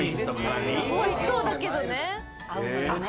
おいしそうだけどね。